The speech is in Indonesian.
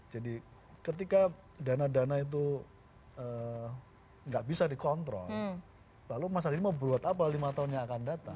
jadi ketika dana dana itu tidak bisa dikontrol lalu mas radiem mau buat apa lima tahunnya akan datang